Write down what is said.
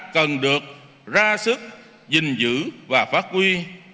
cần được ra sức dình dữ và phát quy